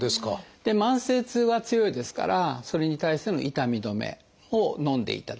慢性痛は強いですからそれに対する痛み止めをのんでいただく。